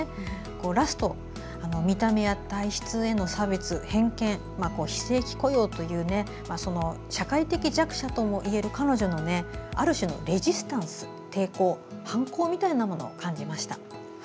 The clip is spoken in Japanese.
ラスト、見た目や体質への差別、偏見非正規雇用という社会的弱者ともいえる彼女のある種のレジスタンス抵抗、反抗みたいなものを感じました。